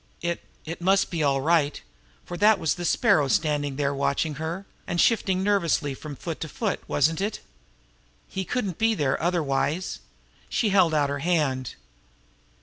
It it must be all right, for that was the Sparrow standing there watching her, and shifting nervously from foot to foot, wasn't it? He couldn't be there, otherwise. She held out her hand.